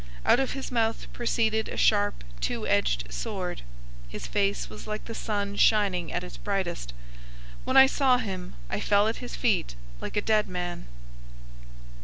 Out of his mouth proceeded a sharp two edged sword. His face was like the sun shining at its brightest. 001:017 When I saw him, I fell at his feet like a dead man.